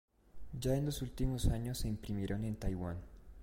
Ya en los últimos años se imprimieron en Taiwán.